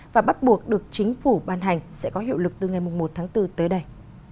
và bắt buộc được chính phủ ban hành sẽ có hiệu lực từ ngày một tháng bốn tới đây